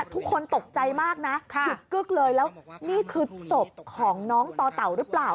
ทุกคนตกใจมากนะหยุดกึ๊กเลยแล้วนี่คือศพของน้องต่อเต่าหรือเปล่า